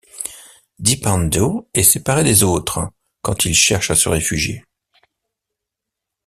Deep-Ando est séparé des autres quand ils cherchent à se réfugier.